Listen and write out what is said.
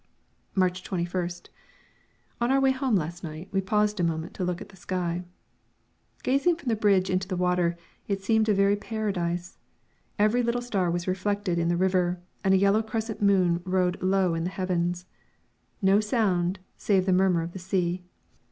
March 21st. On our way home last night we paused a moment to look at the sky. Gazing from the bridge into the water, it seemed a very Paradise. Every little star was reflected in the river, and a yellow crescent moon rode low in the heavens. No sound save the murmur of the sea.